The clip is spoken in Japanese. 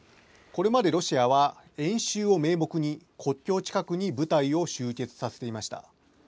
これまでロシアは、演習を名目に、国境近くに部隊を集結させていました。